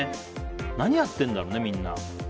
何やってるんだろうね、みんな。